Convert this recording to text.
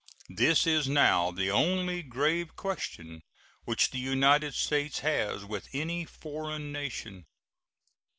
This is now the only grave question which the United States has with any foreign nation.